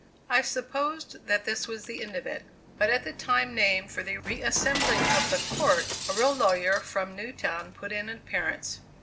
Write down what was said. I supposed that this was the end of it. But at the time named for the re assembling of the "court," a real lawyer from Newtown put in an appearance.